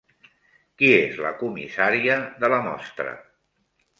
Qui és la comissària de la mostra?